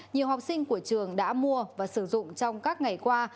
nhiều học sinh của trường đã mua và sử dụng trong các ngày qua